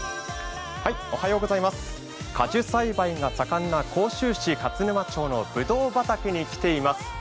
果樹栽培が盛んな甲州市勝沼町のぶどう畑に来ています。